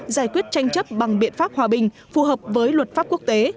giải quyết tranh chấp bằng biện pháp hòa bình phù hợp với luật pháp quốc tế